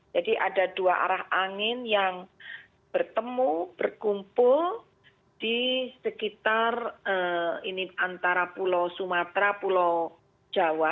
jadi ada dua arah angin yang bertemu berkumpul di sekitar antara pulau sumatera pulau jawa